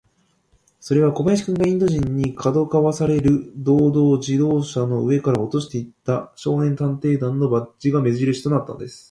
それは小林君が、インド人に、かどわかされる道々、自動車の上から落としていった、少年探偵団のバッジが目じるしとなったのです。